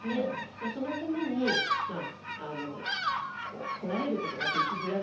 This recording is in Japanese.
そのためにこらえることができづらくなると。